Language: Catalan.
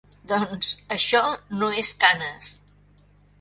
Doncs, això no és Canes.